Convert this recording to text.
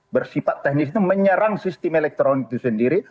bersifat teknis itu menyerang sistem elektronik itu sendiri